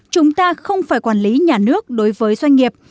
chúng ta không phải quản lý nhà nước đối với doanh nghiệp